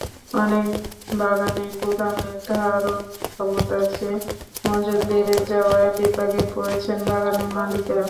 অনেক বাগানে গুদামের ধারণক্ষমতার চেয়ে মজুত বেড়ে যাওয়ায় বিপাকে পড়েছেন বাগানের মালিকেরা।